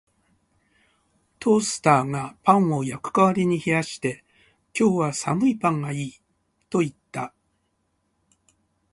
トースターがパンを焼く代わりに冷やして、「今日は寒いパンがいい」と言った